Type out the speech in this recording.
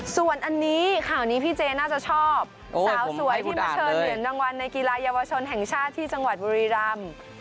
ส่วนอันนี้ข่าวนี้พี่เจน่าจะชอบสาวสวยที่มาเชิญเหรียญรางวัลในกีฬาเยาวชนแห่งชาติที่จังหวัดบุรีรำ